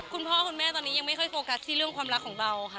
คุณพ่อคุณแม่ตอนนี้ยังไม่ค่อยโฟกัสที่เรื่องความรักของเราค่ะ